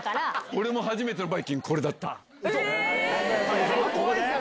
俺も初めてのバイキングこれだった。